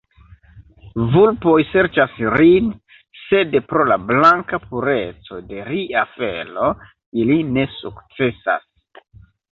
Vulpoj serĉas rin, sed pro la blanka pureco de ria felo, ili ne sukcesas.